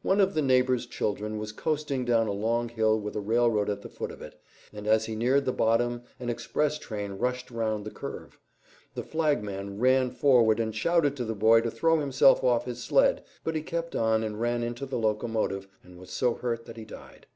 One of the neighbor's children was coasting down a long hill with a railroad at the foot of it, and as he neared the bottom an express train rushed round the curve. The flag man ran forward and shouted to the boy to throw himself off his sled, but he kept on and ran into the locomotive, and was so hurt that he died.